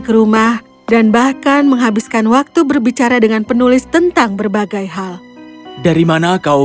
ke rumah dan bahkan menghabiskan waktu berbicara dengan penulis tentang berbagai hal dari mana kau